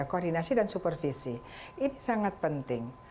koordinasi dan supervisi ini sangat penting